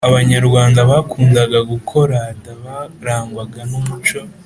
abanyarwanda bakundaga gukorada barangwaga n’umuco